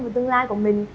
về tương lai của mình